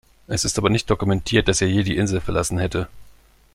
Es ist aber nicht dokumentiert, dass er je die Insel verlassen hätte.